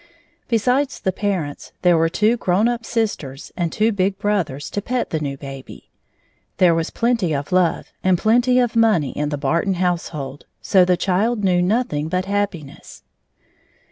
Besides the parents, there were two grown up sisters and two big brothers to pet the new baby. There was plenty of love and plenty of money in the Barton household, so the child knew nothing but happiness.